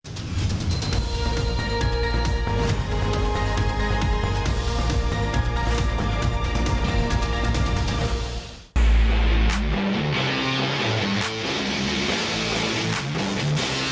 ที่น้องค่ะการเลือกตั้งความมีสำคัญมากเป็นการเลือกอนาคตของตัวเอง